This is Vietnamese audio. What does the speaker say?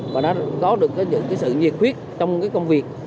và đã có được cái sự nhiệt khuyết trong cái công việc